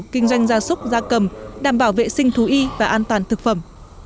kinh doanh gia súc gia cầm đảm bảo vệ sinh thú y và an toàn thực phẩm